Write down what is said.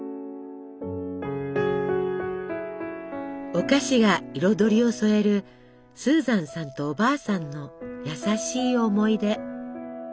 お菓子が彩りを添えるスーザンさんとおばあさんの優しい思い出。